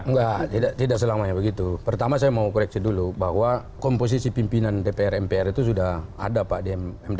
enggak tidak selamanya begitu pertama saya mau koreksi dulu bahwa komposisi pimpinan dpr mpr itu sudah ada pak di md